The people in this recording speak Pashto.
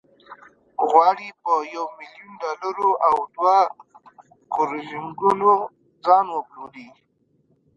غواړي په یو میلیون ډالرو او دوه کروزینګونو ځان وپلوري.